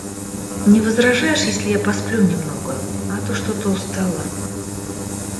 Не возражаешь, если я посплю немного, а то что-то устала?